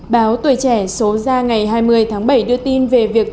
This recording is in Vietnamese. báo tuổi trẻ số ra ngày hai mươi tháng bảy đưa tin về việc